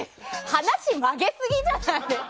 話、曲げすぎじゃない？